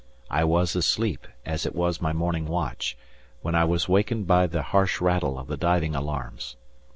I was asleep, as it was my morning watch, when I was awakened by the harsh rattle of the diving alarms.